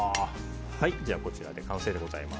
こちらで完成でございます。